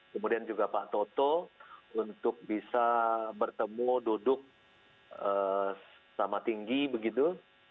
kemudian juga pak toto untuk bisa bertemu duduk sama tinggi begitu